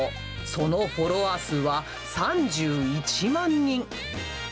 そのフォロワー数は３１万人。